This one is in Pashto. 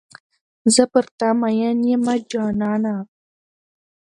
زه پر تا میین یمه جانانه.